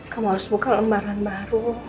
kamu harus buka lembaran baru